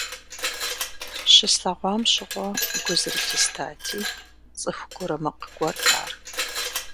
Щыслъэгъуам щыгъуэ гу зэрылъыстати, цӀыху гурымыкъ гуэрт ар.